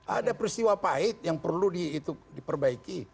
ada peristiwa pahit yang perlu diperbaiki